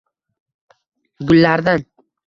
gullardan